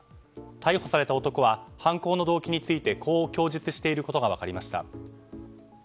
逮捕された男は犯行の動機についてこう供述していることが分かりました。